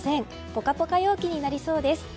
ポカポカ陽気になりそうです。